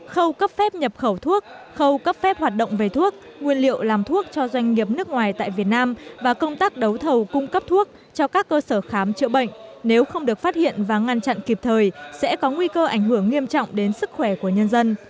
khâu cấp phép nhập khẩu thuốc khâu cấp phép hoạt động về thuốc nguyên liệu làm thuốc cho doanh nghiệp nước ngoài tại việt nam và công tác đấu thầu cung cấp thuốc cho các cơ sở khám chữa bệnh nếu không được phát hiện và ngăn chặn kịp thời sẽ có nguy cơ ảnh hưởng nghiêm trọng đến sức khỏe của nhân dân